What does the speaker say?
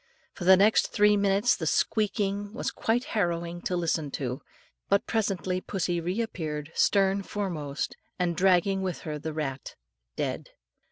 For the next three minutes the squeaking was quite harrowing to listen to; but presently pussy re appeared stern foremost, and dragging with her the rat dead.